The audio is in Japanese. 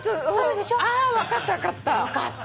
あ分かった分かった。